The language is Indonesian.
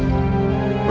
untuk menyempurnakan ilmumu